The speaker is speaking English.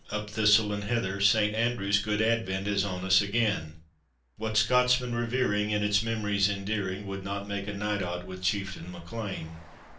Up, thistle and heather! St. Andrew's good advent is on us again: What Scotsman, revering in its mem'ries endear ing, Would not make a night o't with Chieftain Mac Lean !